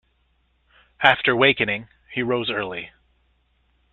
After wakening, he rose early.